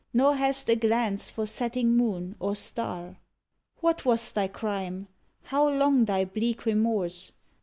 Nor hast a glance for setting moon or star. What was thy crime*? How long thy bleak remorse?